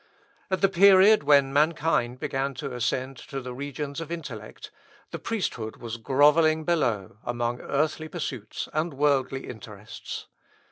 At the period when mankind began to ascend to the regions of intellect, the priesthood was grovelling below among earthly pursuits and worldly interests.